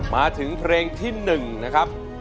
มาถึงเพลงที่๑นะครับ